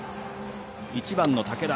１番の武田。